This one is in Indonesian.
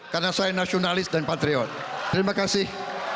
karena saya nasionalis dan patriot terima kasih